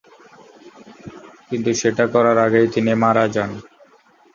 কিন্তু সেটা করার আগেই তিনি মারা যান।